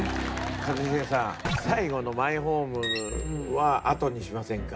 一茂さん最後の「マイホーム」はあとにしませんか？